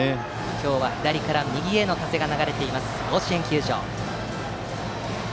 今日は左から右への風が流れている甲子園球場。